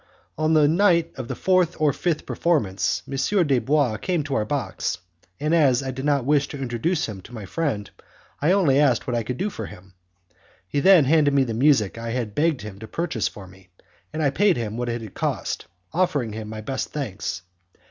On the night of the fourth or fifth performance M. Dubois came to our box, and as I did not wish to introduce him to my friend, I only asked what I could do for him. He then handed me the music I had begged him to purchase for me, and I paid him what it had cost, offering him my best thanks.